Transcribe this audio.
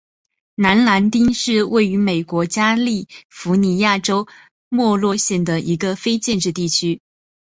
南兰丁是位于美国加利福尼亚州莫诺县的一个非建制地区。